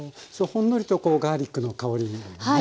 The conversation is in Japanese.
ほんのりとこのガーリックの香りがね。